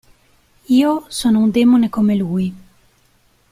Io sono un demone come lui.